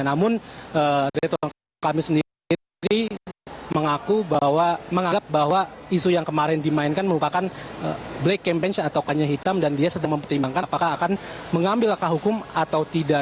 namun ridwan kamil sendiri menganggap bahwa isu yang kemarin dimainkan merupakan black campaign atau kanya hitam dan dia sedang mempertimbangkan apakah akan mengambil langkah hukum atau tidak